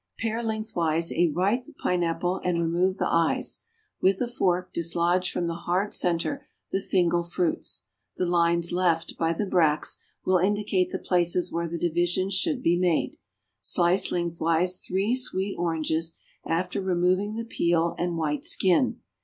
_) Pare lengthwise a ripe pineapple and remove the eyes. With a fork dislodge from the hard centre the single fruits (the lines left by the bracts will indicate the places where the divisions should be made). Slice lengthwise three sweet oranges, after removing the peel and white skin.